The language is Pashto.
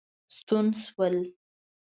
ستون شول.